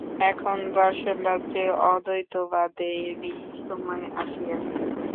এখন দর্শনরাজ্যে অদ্বৈতবাদেরই সময় আসিয়াছে।